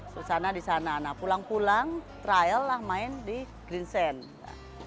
susana di sana pulang pulang trial lah main di green sand